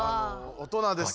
大人です。